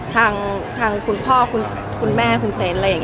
อย่างนั้นปวดเอาไปปกสินะ